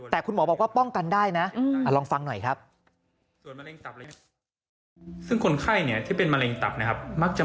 แต่คุณหมอบอกว่าป้องกันได้นะลองฟังหน่อยครับ